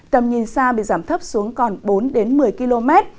tầm nhìn xa bị giảm thấp xuống còn bốn một mươi km